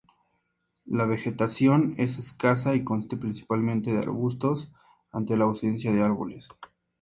La vegetación es escasa y consiste principalmente de arbustos, ante la ausencia de árboles.